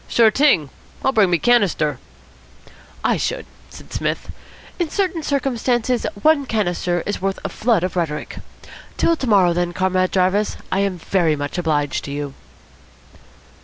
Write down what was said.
"Sure t'ing. I'll bring me canister." "I should," said Psmith. "In certain circumstances one canister is worth a flood of rhetoric. Till to morrow, then, Comrade Jarvis. I am very much obliged to you."